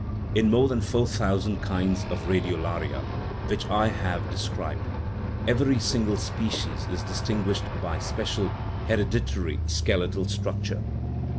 In more than four thousand kinds of radiolaria, which I have described, every single species is distinguished by special, hereditary skeletal structure.